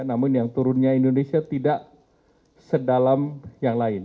namun yang turunnya indonesia tidak sedalam yang lain